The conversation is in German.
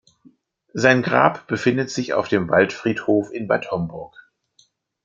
Sein Grab befindet sich auf dem Waldfriedhof in Bad Homburg.